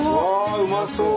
うまそう！